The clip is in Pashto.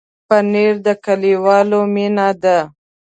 پنېر د کلیوالو مینه ده.